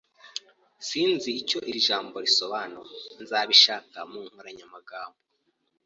Sinzi icyo iri jambo risobanura. Nzabishakisha mu nkoranyamagambo.